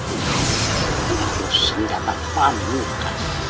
ini senjata panung